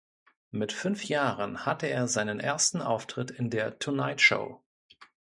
Mit fünf Jahren hatte er seinen ersten Auftritt in der "Tonight Show".